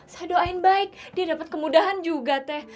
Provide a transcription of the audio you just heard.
saya doain baik dia dapat kemudahan juga teh